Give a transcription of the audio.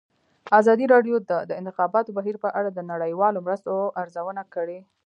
ازادي راډیو د د انتخاباتو بهیر په اړه د نړیوالو مرستو ارزونه کړې.